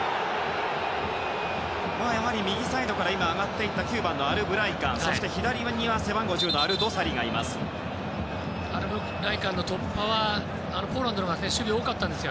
右サイドから上がっていった９番のアルブライカンそして、左には背番号１０のアルドサリがいます。